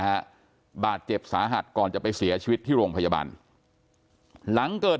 ฮะบาดเจ็บสาหัสก่อนจะไปเสียชีวิตที่โรงพยาบาลหลังเกิด